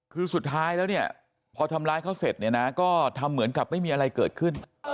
คือสุดท้ายแล้วเนี่ยพอทำร้ายเขาเสร็จเนี่ยนะก็ทำเหมือนกับไม่มีอะไรเกิดขึ้น